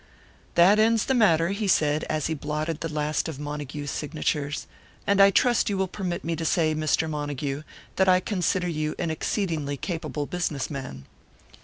"That ends the matter," he said, as he blotted the last of Montague's signatures. "And I trust you will permit me to say, Mr. Montague, that I consider you an exceedingly capable business man."